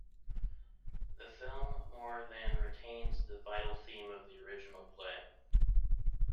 The film more than retains the vital theme of the original play.